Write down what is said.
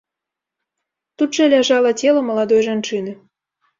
Тут жа ляжала цела маладой жанчыны.